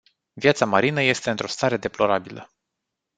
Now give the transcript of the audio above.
Viața marină este într-o stare deplorabilă.